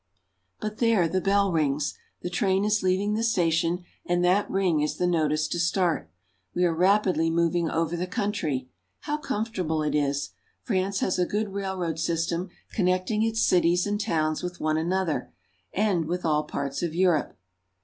But there, the bell rings ! The train is leaving the station, and that ring is the notice to start. We are rapidly moving over the country. How comfortable it is ! France has a good railroad system connecting its cities and towns with one another and with all parts of Europe.